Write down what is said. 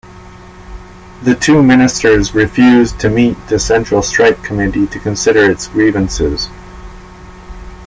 The two ministers refused to meet the Central Strike Committee to consider its grievances.